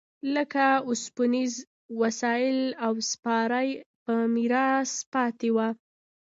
لکه اوسپنیز وسایل او سپاره په میراث پاتې و